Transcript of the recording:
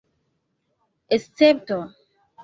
escepto